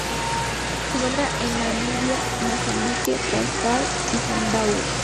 Se encuentra en Namibia, Mozambique, Transvaal y Zimbabue.